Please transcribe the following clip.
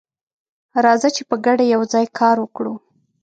راځه چې په ګډه یوځای کار وکړو.